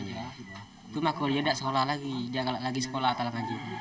tapi aku lihat dia sudah sekolah lagi dia lagi sekolah atau lagi